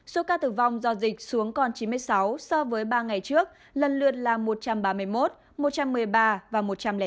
số ca tử vong do dịch xuống còn chín mươi sáu so với ba ngày trước lần lượt là một trăm ba mươi một một trăm một mươi ba và một trăm linh tám